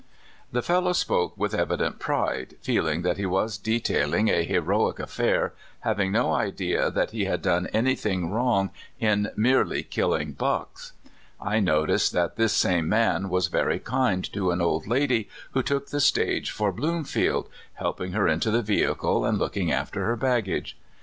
The fellow spoke with evident pride, feeling that he was detailing a heroic affair, having no idea that he had done anything wrong in merely killing " bucks." I noticed that this same man was very kind to an old lady who took the stage for Bloom field — helping her into the vehicle, and looking after her baggage.